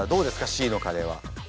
Ｃのカレーは。